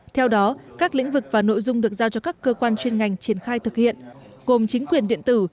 theo đó các lĩnh vực và nội dung được giao cho các cơ quan chuyên ngành triển khai thực hiện gồm chính quyền điện tử